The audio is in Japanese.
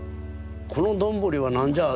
「この丼は何じゃあ？」